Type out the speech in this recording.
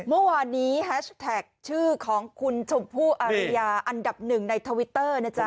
เมื่อวานนี้แฮชแท็กชื่อของคุณชมพู่อาริยาอันดับหนึ่งในทวิตเตอร์นะจ๊